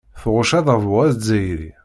Tɣucc adabu azzayri.